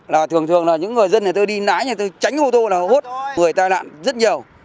là thường thường là những người dân này tôi đi nái này tôi tránh ô tô là hút người tai nạn rất nhiều